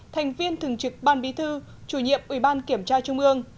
thành viên thường trực ban bí thư chủ nhiệm ủy ban kiểm tra trung ương